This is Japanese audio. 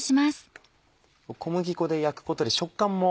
小麦粉で焼くことで食感も。